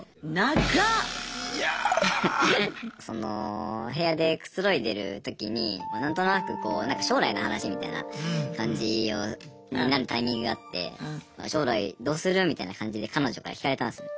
その部屋でくつろいでる時に何となく将来の話みたいな感じになるタイミングがあって将来どうする？みたいな感じで彼女から聞かれたんすね。